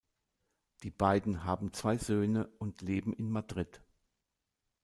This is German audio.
Die beiden haben zwei Söhne und leben in Madrid.